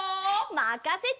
まかせて！